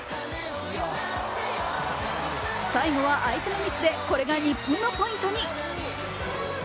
最後は相手のミスでこれが日本のポイントに。